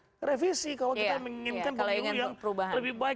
kalau ingin di revisi kalau kita menginginkan pemilu yang lebih baik